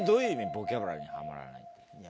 ボキャブラリーにハマらないって。